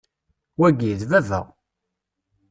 Wagi, d baba.